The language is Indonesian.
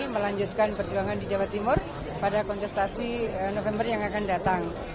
melanjutkan perjuangan di jawa timur pada kontestasi november yang akan datang